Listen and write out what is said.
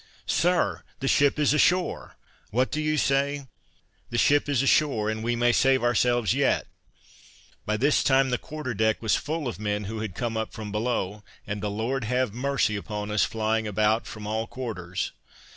"Sir, the ship is ashore!" "What do you say?" "The ship is ashore, and we may save ourselves yet!" By this time the quarter deck was full of men who had come up from below; and 'the Lord have mercy upon us,' flying about from all quarters.